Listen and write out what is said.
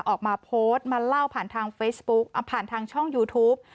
ออกมาโพสต์มาเล่าผ่านทางเฟซบุ๊กผ่านทางช่องยูทูป